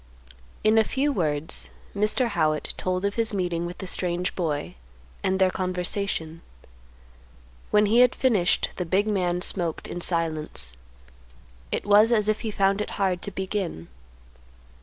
In a few words Mr. Howitt told of his meeting with the strange boy, and their conversation. When he had finished, the big man smoked in silence. It was as if he found it hard to begin.